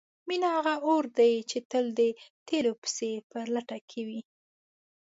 مینه هغه اور دی چې تل د تیلو پسې په لټه کې وي.